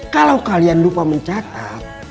kalau kalian lupa mencatat